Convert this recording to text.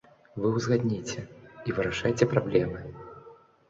Вы ўзгадніце, і вырашайце праблемы.